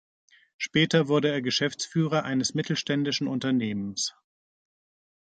Später wurde er Geschäftsführer eines mittelständischen Unternehmens.